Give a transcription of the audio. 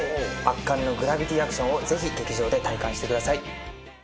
圧巻のグラビティ・アクションをぜひ劇場で体感してください。